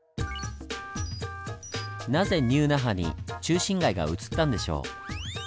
なぜニュー那覇に中心街が移ったんでしょう？